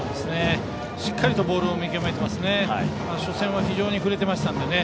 しっかりとボールを見極めてますね。